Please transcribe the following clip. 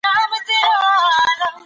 خپلي دندي پر وخت ترسره کړه.